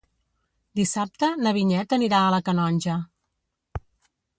Dissabte na Vinyet anirà a la Canonja.